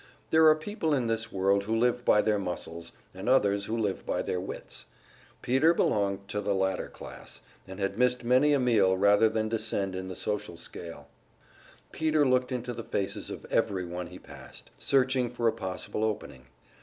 There are people in this world who live by their muscles, and others who live by their wits; Peter belonged to the latter class; and had missed many a meal rather than descend in the social scale. Peter looked into the faces of everyone he passed, searching for a possible opening.